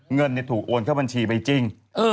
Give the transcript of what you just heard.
เงินถูกโอนเข้าบัญชีไปจริง